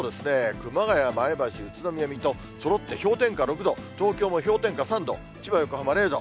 熊谷、前橋、宇都宮、水戸、そろって氷点下６度、東京も氷点下３度、千葉、横浜０度。